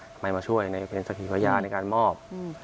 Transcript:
ทำไมมาช่วยในเป็นศักดิ์ภายะในการมอบ